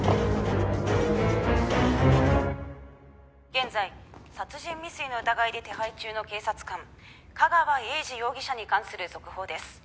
「現在殺人未遂の疑いで手配中の警察官架川英児容疑者に関する続報です」